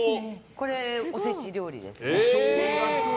これ、おせち料理です。